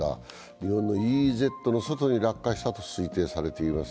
日本のＥＥＺの外に落下したと推定されています。